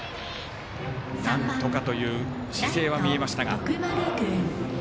なんとかという姿勢は見えましたが。